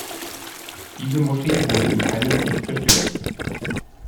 Diese Moschee wurde in keinem Krieg zerstört.